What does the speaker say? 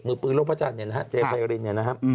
มือปืนโลกพระจันทร์เนี่ยนะฮะเจไพรินเนี่ยนะครับ